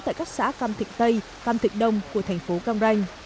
tại các xã cam thịnh tây cam thịnh đông của thành phố cam ranh